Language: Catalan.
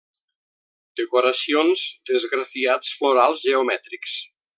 Decoracions d'esgrafiats florals geomètrics.